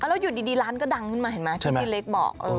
แล้วอยู่ดีร้านก็ดังขึ้นมาเห็นไหมที่พี่เล็กบอก